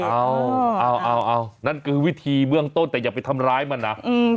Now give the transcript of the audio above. เอาเอานั่นคือวิธีเบื้องต้นแต่อย่าไปทำร้ายมันนะ